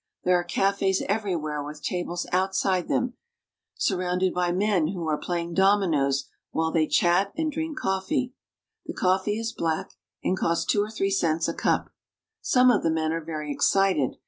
There are cafes everywhere with tables out side them, surrounded by men who are playing dominoes while they chat and drink coffee. The coffee is black, and costs two or three cents a cup. Some of the men are very excited.